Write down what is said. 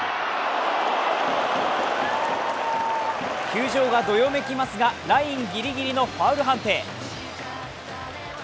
球場がどよめきますがラインぎりぎりのファウル判定。